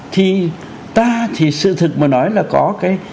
thì ta thì sự thực mà nói là có cái